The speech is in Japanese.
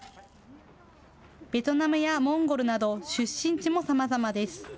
ベトナムやモンゴルなど出身地もさまざまです。